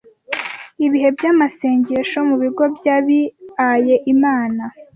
ibihe by’amasengesho mu bigo by’abiaye Imana